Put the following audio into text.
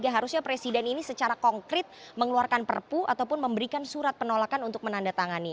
harusnya presiden ini secara konkret mengeluarkan perpu ataupun memberikan surat penolakan untuk menandatangani